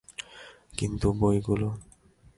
কিন্তু, বইগুলো?